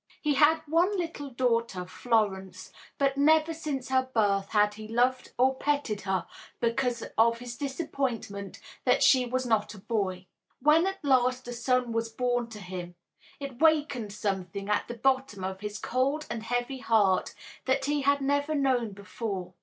He had one little daughter, Florence, but never since her birth had he loved or petted her because of his disappointment that she was not a boy. When at last a son was born to him it wakened something at the bottom of his cold and heavy heart that he had never known before.